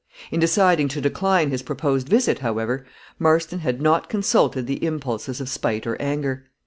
In deciding to decline his proposed visit, however, Marston had not consulted the impulses of spite or anger.